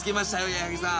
矢作さん。